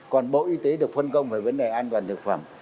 còn bộ y tế được phân công về vấn đề an toàn thực phẩm